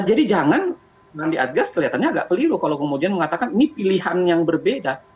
jadi jangan nanti adgas kelihatannya agak keliru kalau kemudian mengatakan ini pilihan yang berbeda